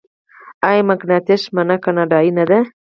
آیا مکینټاش مڼه کاناډايي نه ده؟